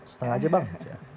setengah aja bang